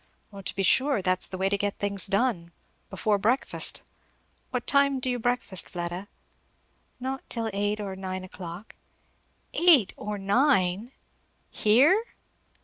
"To be sure; that's the way to get things done. Before breakfast! What time do you breakfast, Fleda?" "Not till eight or nine o'clock." "Eight or nine! _Here?